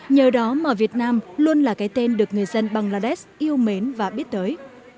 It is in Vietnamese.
nhờ đó mà việt nam luôn là cái tên được người dân bangladesh yêu mến và biết tới